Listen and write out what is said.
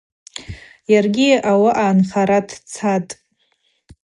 Йаргьи ауаъа нхара дцатӏ.